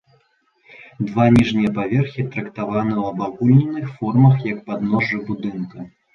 Два ніжнія паверхі трактаваны ў абагульненых формах як падножжа будынка.